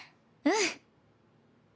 うん。